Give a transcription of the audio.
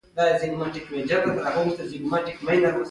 غوړې د عضلاتو پیاوړتیا لپاره ګټورې دي.